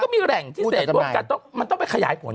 ก็มีแหล่งที่เสร็จว่ามันต้องไปขยายผล